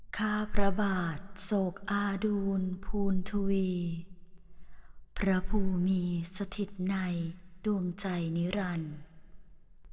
ข้าพระบาทโศกอาดูลภูณทวีพระภูมิมีสถิตในดวงใจนิรันดิ์